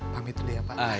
pamit dulu ya pak